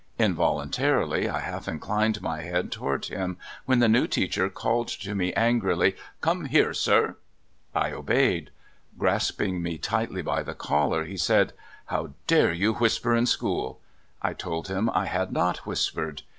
Invohmta rily, I half inclined my head toward him, when the new teacher called to me angrily —"* Come here, sir !'" I obeyed. Grasping me tightly by the collar, he said :"' How dare you whisper in school ?' "I told him I had not whispered.